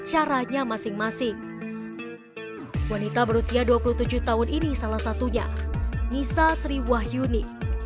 caranya masing masing wanita berusia dua puluh tujuh tahun ini salah satunya nisa sri wahyuni